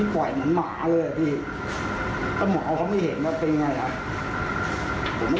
พ่อใจที่อาจารย์ของผมรอด